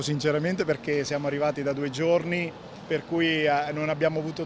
dan juga berpikir bahwa mereka akan menemukan suatu kulturnya yang berbeda